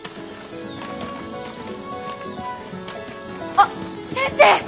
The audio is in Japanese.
あっ先生！